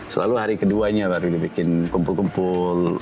selalu hari keduanya baru dibikin kumpul kumpul